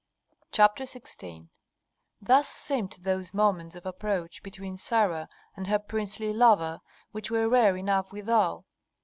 CHAPTER XVI Thus seemed those moments of approach between Sarah and her princely lover, which were rare enough withal.